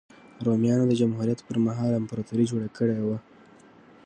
رومیانو د جمهوریت پرمهال امپراتوري جوړه کړې وه.